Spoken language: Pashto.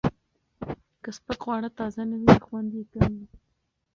که سپک خواړه تازه نه وي، خوند یې کم وي.